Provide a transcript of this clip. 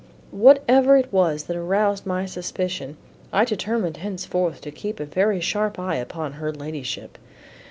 Whatever it was that aroused my suspicion, I determined henceforth to keep a very sharp eye upon her ladyship.